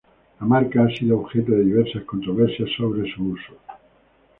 La marca ha sido objeto de diversas controversias sobre su uso.